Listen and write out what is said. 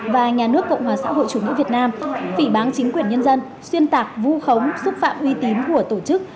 và nhà nước cộng hòa xã hội chủ nghĩa việt nam phỉ bán chính quyền nhân dân xuyên tạc vu khống xúc phạm uy tín của tổ chức